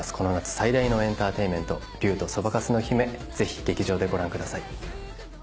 最大のエンターテインメント『竜とそばかすの姫』ぜひ劇場でご覧ください。